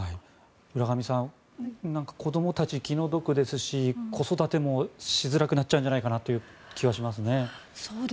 浦上さん子どもたち、気の毒ですし子育てもしづらくなっちゃうんじゃないかって気はしますね。